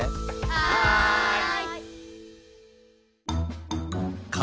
はい。